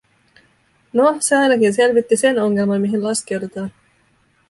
Noh, se ainakin selvitti sen ongelman, mihin laskeudutaan.